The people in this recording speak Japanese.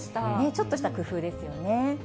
ちょっとした工夫ですよね。